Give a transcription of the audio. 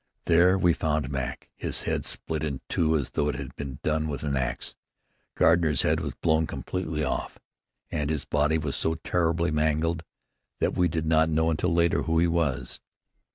There we found Mac, his head split in two as though it had been done with an axe. Gardner's head was blown completely off, and his body was so terribly mangled that we did not know until later who he was.